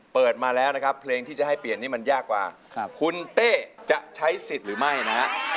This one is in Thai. เปิดมาแล้วนะครับเพลงที่จะให้เปลี่ยนนี่มันยากกว่าคุณเต้จะใช้สิทธิ์หรือไม่นะฮะ